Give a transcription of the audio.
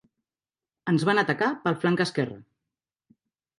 Ens van atacar pel flanc esquerre.